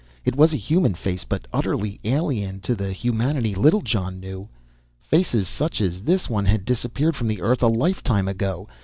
It was a human face, but utterly alien to the humanity Littlejohn knew. Faces such as this one had disappeared from the earth a lifetime ago.